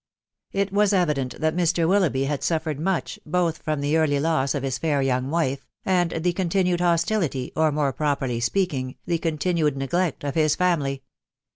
It was evident that Mr. Willoughbv had suffered much, both from the early1 loss of his fair young wife, and the continued hostility, or, more properly speaking, the continued neglect of his family.